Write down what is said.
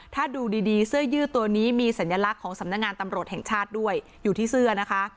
ถ้าดูดีเสื้อยืดตัวนี้มีสัญลักษณ์ของสำนักงานตำรวจแห่งชาติด้วยอยู่ที่เสื้อนะคะ